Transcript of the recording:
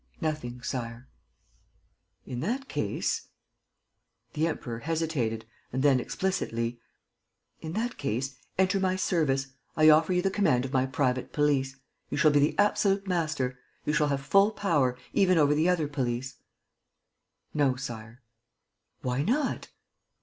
"Nothing, Sire." "In that case ..." The Emperor hesitated and then, explicitly: "In that case, enter my service. I offer you the command of my private police. You shall be the absolute master. You shall have full power, even over the other police." "No, Sire." "Why not?"